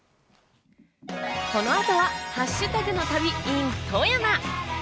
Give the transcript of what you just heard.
この後はハッシュタグの旅ｉｎ富山。